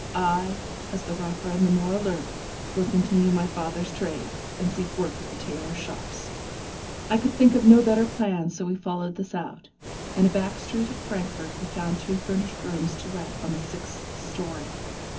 I, as the rougher and the more alert, will continue my father's trade, and seek work at the tailors' shops.' I could think of no better plan, so we followed this out. In a back street at Frankfort we found two furnished rooms to let on a sixth story.